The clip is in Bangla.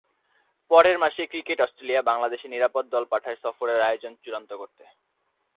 পরের মাসে, ক্রিকেট অস্ট্রেলিয়া বাংলাদেশে নিরাপত্তা দল পাঠায় সফরের আয়োজন চূড়ান্ত করতে।